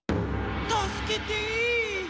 たすけて！